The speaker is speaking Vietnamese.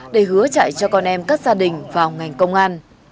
để hứa chạy cho con em các gia đình vào ngành công an